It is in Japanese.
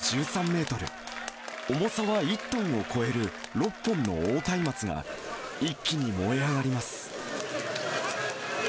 長さ１３メートル、重さは１トンを超える６本の大松明が、一気に燃え上がります。